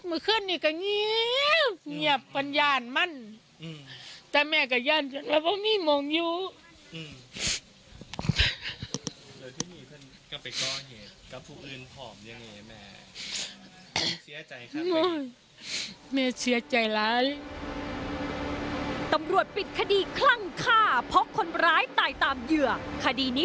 เชื่อผมปัดเหลือทำสมบูรณ์กับคุณก่อน